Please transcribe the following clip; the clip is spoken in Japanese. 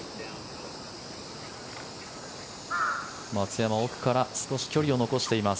松山奥から少し距離を残しています。